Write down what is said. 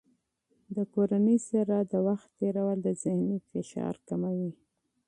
د کورنۍ سره د وخت تېرول د ذهني فشار کموي.